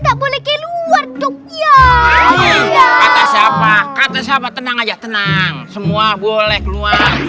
gak boleh keluar tuh iya kata siapa kata siapa tenang aja tenang semua boleh keluar